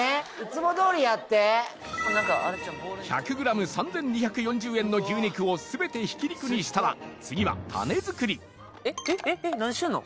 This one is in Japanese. １００ｇ３２４０円の牛肉を全てひき肉にしたら次はタネ作り何してんの？